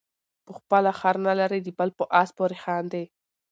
په خپله خر نلري د بل په آس پورې خاندي.